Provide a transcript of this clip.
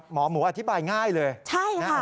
หมอหมูอธิบายง่ายเลยใช่นะฮะ